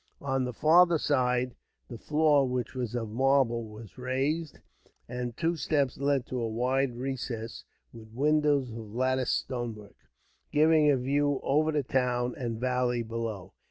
On the farther side the floor, which was of marble, was raised; and two steps led to a wide recess, with windows of lattice stonework, giving a view over the town and valley below.